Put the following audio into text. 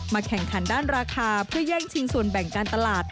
แข่งขันด้านราคาเพื่อแย่งชิงส่วนแบ่งการตลาด